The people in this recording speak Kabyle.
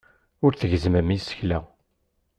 Ur tgezzmem isekla.